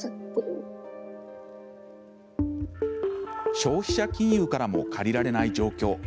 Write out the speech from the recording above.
消費者金融からも借りられない状況。